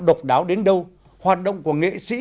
độc đáo đến đâu hoạt động của nghệ sĩ